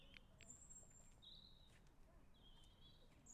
va tag‘in chapak chaldi.